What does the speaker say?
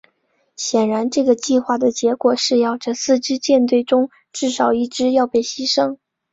显然这个计划的结果是这四支舰队中至少一支要被牺牲。